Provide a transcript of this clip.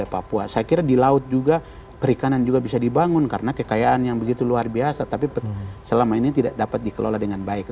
saya kira di laut juga perikanan juga bisa dibangun karena kekayaan yang begitu luar biasa tapi selama ini tidak dapat dikelola dengan baik